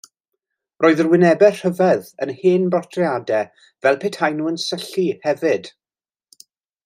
Roedd yr wynebau rhyfedd yn yr hen bortreadau fel petaen nhw yn syllu hefyd.